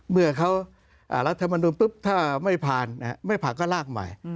เมื่อเขารัฐมนุนปุ๊บถ้าไม่ผ่านไม่ผ่านก็ลากใหม่